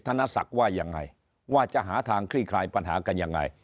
นศักดิ์ว่ายังไงว่าจะหาทางคลี่คลายปัญหากันยังไง